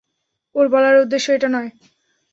ওর বলার উদ্দেশ্য এটা নয়।